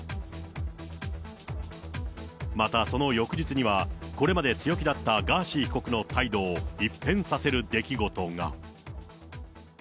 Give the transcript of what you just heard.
またその翌日には、これまで強気だったガーシー被告の態度を一変させる出来事が。